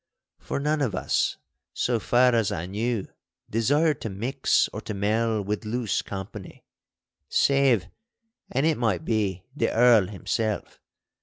For none of us, so far as I knew, desired to mix or to mell with loose company—save, an' it might be, the Earl himself.